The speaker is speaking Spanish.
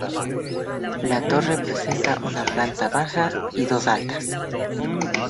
La torre presenta una planta baja y dos altas.